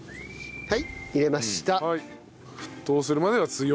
はい。